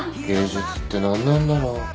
芸術って何なんだろう。